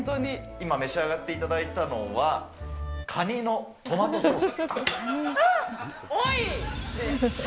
今、召し上がっていただいたのは、カニのトマトソース。